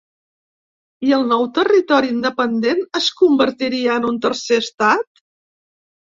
I el nou territori independent es convertiria en un tercer estat.